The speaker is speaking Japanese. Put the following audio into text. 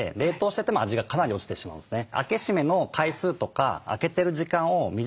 冷凍してても味がかなり落ちてしまうんですね。